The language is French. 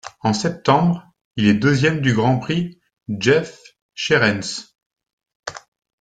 En septembre, il est deuxième du Grand Prix Jef Scherens.